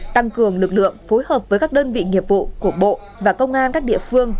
tăng cường lực lượng phối hợp với các đơn vị nghiệp vụ của bộ và công an các địa phương